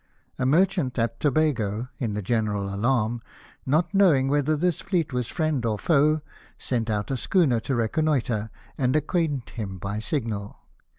A merchant at Tobago, in the general alarm, not knowing whether this fleet was friend or foe, sent out a schooner to reconnoitre, and acquaint him by signal.